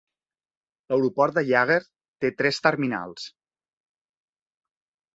L'aeroport de Yeager té tres terminals.